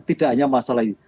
tidak hanya masalah